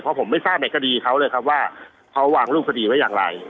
เพราะผมไม่ทราบในคดีเขาเลยครับว่าเขาวางรูปคดีไว้อย่างไร